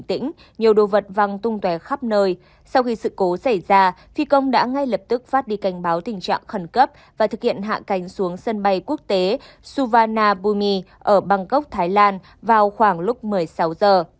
trong khi sự cố xảy ra phi công đã ngay lập tức phát đi canh báo tình trạng khẩn cấp và thực hiện hạ cánh xuống sân bay quốc tế suvarnabhumi ở bangkok thái lan vào khoảng lúc một mươi sáu h